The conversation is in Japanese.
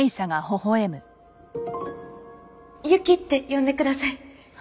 ユキって呼んでください。